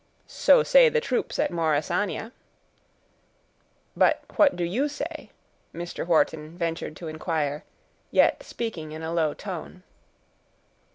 "So say the troops at Morrisania." "But what do you say?" Mr. Wharton ventured to inquire, yet speaking in a low tone.